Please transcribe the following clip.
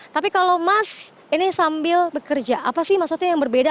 tapi kalau mas ini sambil bekerja apa sih maksudnya yang berbeda